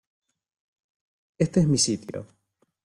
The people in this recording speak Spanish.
Este es mi sitio.